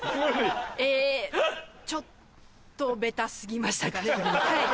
えちょっとベタ過ぎましたかね。